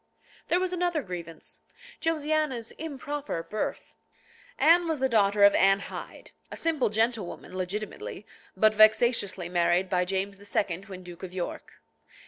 There was another grievance, Josiana's "improper" birth. Anne was the daughter of Anne Hyde, a simple gentlewoman, legitimately, but vexatiously, married by James II. when Duke of York.